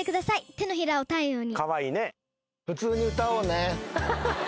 『手のひらを太陽に』